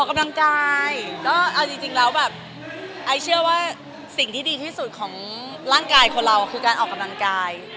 กำลังใจก็เอาจริงแล้วแบบไอเชื่อว่าสิ่งที่ดีที่สุดของร่างกายคนเราคือการออกกำลังกาย